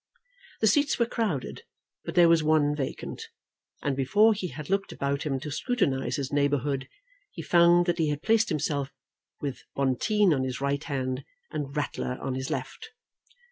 The seats were crowded, but there was one vacant; and before he had looked about him to scrutinise his neighbourhood, he found that he had placed himself with Bonteen on his right hand and Ratler on his left.